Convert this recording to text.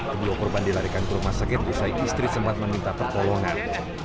kedua korban dilarikan ke rumah sakit usai istri sempat meminta pertolongan